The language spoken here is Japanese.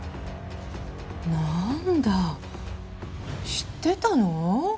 なんだ知ってたの？